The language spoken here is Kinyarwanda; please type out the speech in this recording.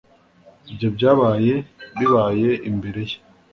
Ibyo byabaye bibaye imbere ye.